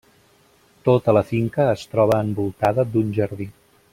Tota la finca es troba envoltada d'un jardí.